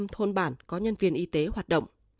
chín mươi năm hai thôn bản có nhân viên y tế hoạt động